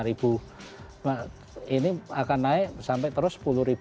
ini akan naik sampai terus sepuluh dua puluh